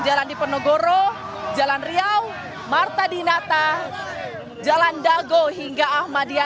jalan diponegoro jalan riau marta dinata jalan dago hingga ahmadiyah